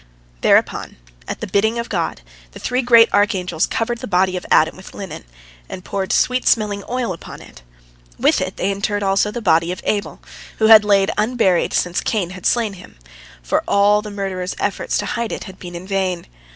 " Thereupon, at the bidding of God, the three great archangels covered the body of Adam with linen, and poured sweet smelling oil upon it. With it they interred also the body of Abel, which had lain unburied since Cain had slain him, for all the murderer's efforts to hide it had been in vain.